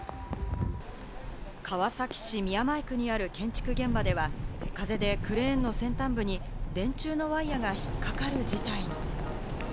川崎市宮前区にある建築現場では、風でクレーンの先端部に電柱のワイヤが引っかかる事態に。